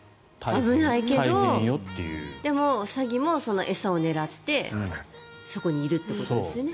危ないけどでもサギもその餌を狙ってそこにいるということですね。